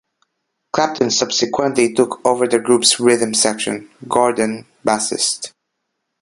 Clapton subsequently took over the group's rhythm section-Gordon, bassist.